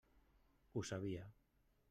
Ho sabia!